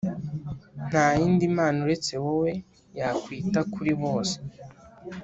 Nta yindi mana uretse wowe, yakwita kuri bose,